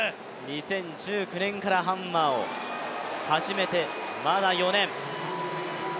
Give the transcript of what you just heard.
２０１９年からハンマーを始めてまだ４年。